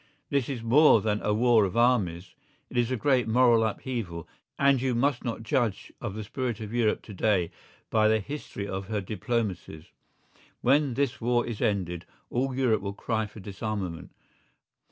This is more than a war of armies; it is a great moral upheaval, and you must not judge of the spirit of Europe to day by the history of her diplomacies. When this war is ended, all Europe will cry for disarmament.